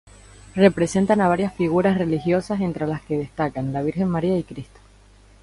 Representan a varias figuras religiosas entre las que destacan la Virgen María y Cristo.